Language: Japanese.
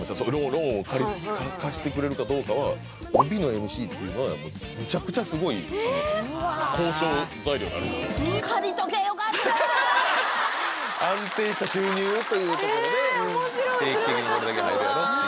ローンを貸してくれるかどうかは帯のＭＣっていうのはむちゃくちゃスゴい交渉材料になるんで安定した収入というところでへぇ面白い！